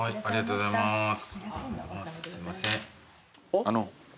ありがとうございます。